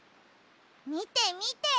みてみて！